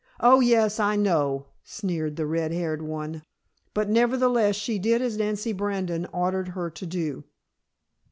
"Oh yes, I know," sneered the red haired one. But nevertheless she did as Nancy Brandon ordered her to do.